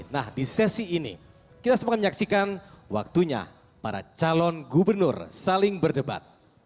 nah di sesi ini kita semua menyaksikan waktunya para calon gubernur saling berdebat